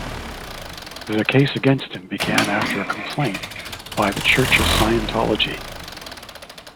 The case against him began after a complaint by the Church of Scientology.